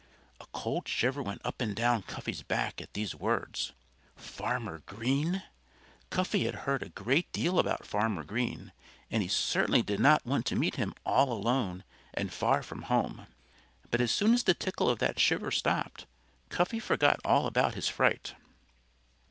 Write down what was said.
A cold shiver went up and down Cuffy's back at these words. Farmer Green! Cuffy had heard a great deal about Farmer Green and he certainly did not want to meet him all alone and far from home. But as soon as the tickle of that shiver stopped, Cuffy forgot all about his fright.